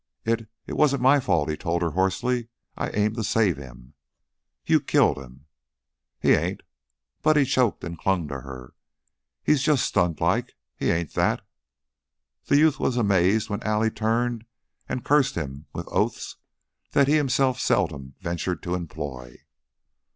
"It it wasn't my fault," he told her, hoarsely. "I aimed to save him." "You killed him!" "He ain't " Buddy choked and clung to her. "He's just stunned like. He ain't that!" The youth was amazed when Allie turned and cursed him with oaths that he himself seldom ventured to employ.